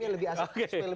bukan sebagai calon presiden